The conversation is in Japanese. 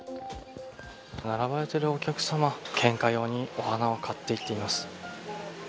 並ばれているお客さんは献花用にお花を買っていっています。